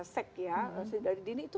seks ya dari dini itu